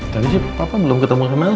tapi juga oko belum ketemu sama from